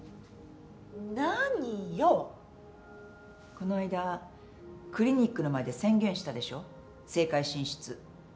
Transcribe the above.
この間クリニックの前で宣言したでしょ政界進出。